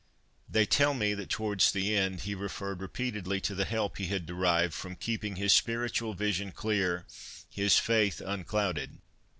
' They tell me that towards the end he referred repeatedly to the help he had derived from keeping his spiritual vision clear, his faith unclouded.